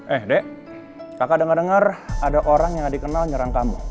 eh dek kakak dengar dengar ada orang yang gak dikenal nyerang kamu